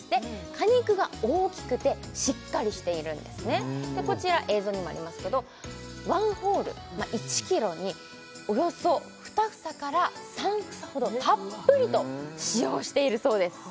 果肉が大きくてしっかりしているんですねでこちら映像にもありますけど１ホール１ｋｇにおよそ２房から３房ほどたっぷりと使用しているそうです